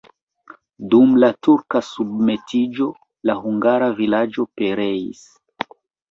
Dum la turka submetiĝo la hungara vilaĝo pereis.